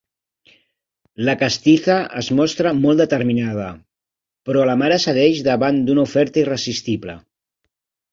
La Castiza es mostra molt determinada, però la mare cedeix davant d'una oferta irresistible.